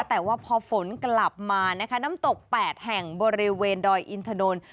แต่ว่าพอฝนกลับมานะคะน้ำตก๘แห่งบริเวณดอยอินทนนท์